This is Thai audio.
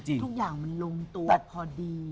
ทุกอย่างมันลงตัวพอดี